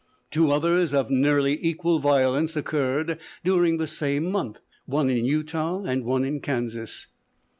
Two others of nearly equal violence occurred during the same month: one in Utah, and one in Kansas.